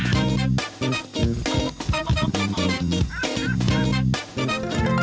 สวัสดีค่ะ